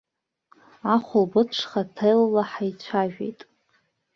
Ахәылбыҽха ҭелла ҳаицәажәеит.